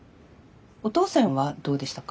お父さんはどうでしたか？